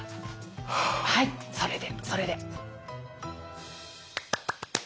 はいそれでそれで。